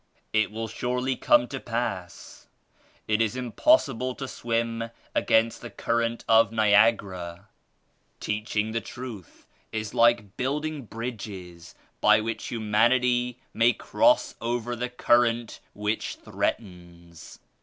It will surely come to pass ; it is impossible to swim against the cur rent of Niagara. Teaching the Truth is like building bridges by which humanity may cross over the current which threatens.